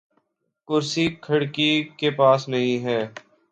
کرسی کھڑکی کے پاس نہیں ہے